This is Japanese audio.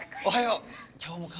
おはよう。